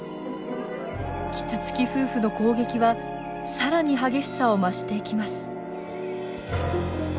キツツキ夫婦の攻撃はさらに激しさを増していきます。